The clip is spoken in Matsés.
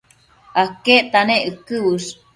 aquecta nec uëquë uësh?